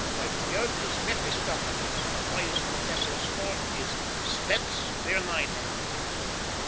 Like Goethe's Mephistopheles, our wise professor's forte is "stets verneinen."